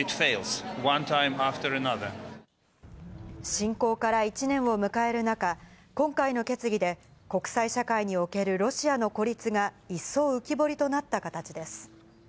侵攻から１年を迎える中、今回の決議で国際社会におけるロシアの孤立が一層、浮き彫りとなった形です。